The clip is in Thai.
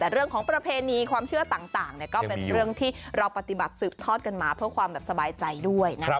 แต่เรื่องของประเพณีความเชื่อต่างก็เป็นเรื่องที่เราปฏิบัติสืบทอดกันมาเพื่อความแบบสบายใจด้วยนะครับ